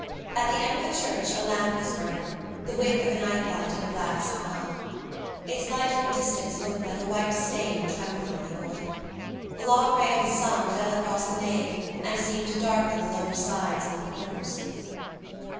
At the end of the church a lamp was burning, the wick of a night light in a glass hung up. Its light from a distance looked like a white stain trembling in the oil. A long ray of the sun fell across the nave and seemed to darken the lower sides and the corners.